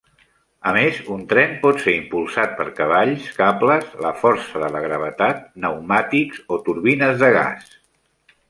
A més, un tren pot ser impulsat per cavalls, cables, la força de la gravetat, pneumàtics o turbines de gas.